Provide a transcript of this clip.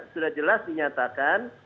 sudah jelas dinyatakan